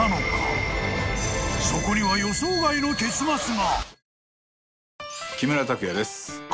［そこには予想外の結末が］